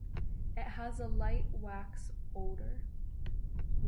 It has a light wax odor.